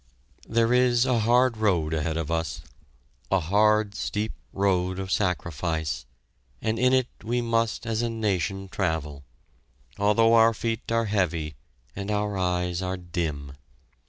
There is a hard road ahead of us, a hard, steep road of sacrifice, and in it we must as a nation travel, although our feet are heavy and our eyes are dim.